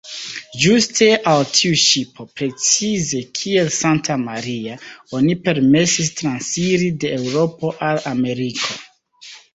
Ĝuste al tiu ŝipo, precize kiel "Santa-Maria", oni permesis transiri de Eŭropo al Ameriko.